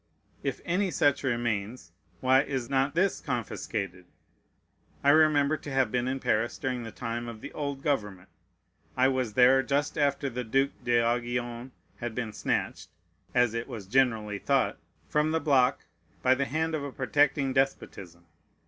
If any such remains, why is not this confiscated? I remember to have been in Paris during the time of the old government. I was there just after the Duke d'Aiguillon had been snatched (as it was generally thought) from the block by the hand of a protecting despotism.